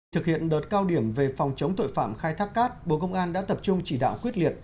thực hiện đợt cao điểm về phòng chống tội phạm khai thác cát bộ công an đã tập trung chỉ đạo quyết liệt